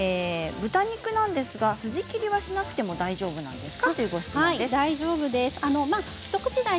豚肉なんですが筋切りはしなくても大丈夫なんですか？